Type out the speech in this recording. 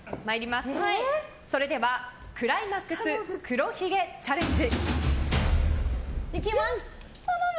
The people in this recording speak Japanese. それではクライマックスくろひげチャレンジ。